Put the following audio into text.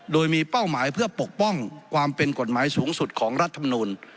โดยมีเป้าหมายเพื่อปกป้องความเป็นกฎหมายสูงสุดของรัฐมนูล